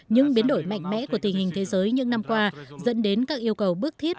những biến đổi mạnh mẽ của tình hình thế giới những năm qua dẫn đến các yêu cầu bước thiết